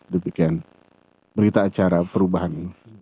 demikian berita acara perubahan